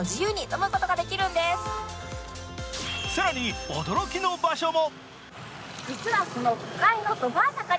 更に驚きの場所も。